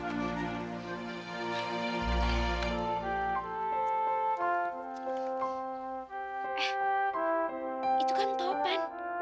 eh itu kan topan